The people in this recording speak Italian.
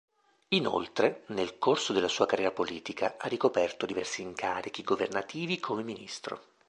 Inoltre, nel corso della sua carriera politica, ha ricoperto diversi incarichi governativi come Ministro.